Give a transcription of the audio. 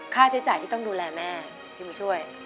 ค่าเจศ่าที่ต้องดูแลแม่พี่มีช่วย